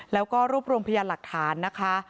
แล้วก็รวบรวมพยานหลักฐานนะคะ